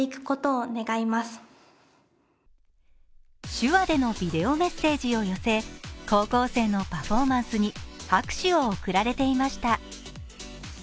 手話でのビデオメッセージを寄せ高校生のパフォーマンスに拍手を送られていました。